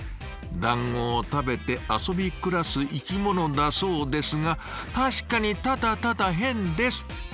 団子を食べて遊び暮らす生きものだそうですが確かにただただヘンです。